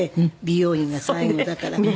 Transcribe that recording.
美容院が最後だからね。